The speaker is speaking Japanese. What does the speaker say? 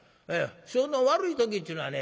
調子の悪い時っちゅうのはね